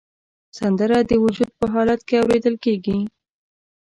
سندره د وجد په حالت کې اورېدل کېږي